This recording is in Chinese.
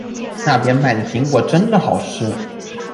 那边卖的苹果真的好吃